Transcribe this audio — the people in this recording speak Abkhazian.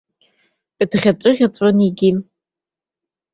Дӷьаҵәыӷьаҵәуан егьи.